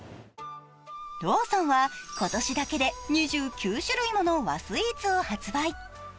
ローソンは今年だけで２９種類もの和スイーツを発売。